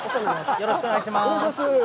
よろしくお願いします。